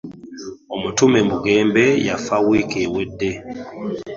Omutume Bugembe yafa wiiki ewedde.